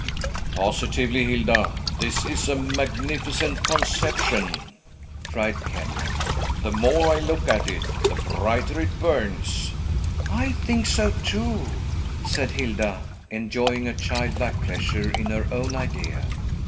"Positively, Hilda, this is a magnificent conception," cried Kenyon. "The more I look at it, the brighter it burns." "I think so too," said Hilda, enjoying a childlike pleasure in her own idea.